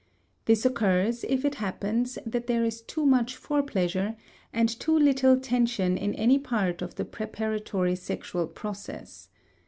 This occurs if it happens that there is too much fore pleasure and too little tension in any part of the preparatory sexual process.